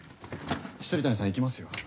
未谷さん行きますよ。